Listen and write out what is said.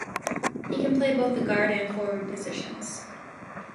He can play both the Guard and Forward positions.